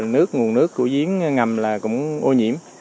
nước nguồn nước của diễn ngầm là cũng ô nhiễm